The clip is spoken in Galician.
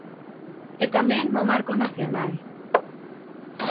E tamén no marco nacional.